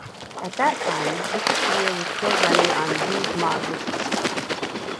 At that time Wikipedia was still running on UseModWiki.